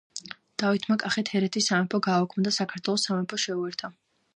დავითმა კახეთ-ჰერეთის სამეფო გააუქმა და საქართველოს სამეფოს შეუერთა.